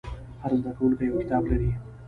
هر زده کوونکی یو کتاب لري.